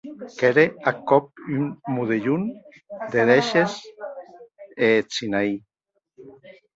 Qu’ère ath còp un modelhon de dèishes e eth Sinaí.